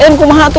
aduh kuduku mahatu